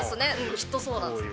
きっとそうなんですよ。